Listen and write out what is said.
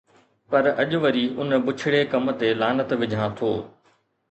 پر اڄ وري ان بڇڙي ڪم تي لعنت وجهان ٿو